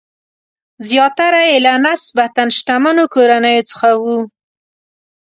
زیاتره یې له نسبتاً شتمنو کورنیو څخه ول.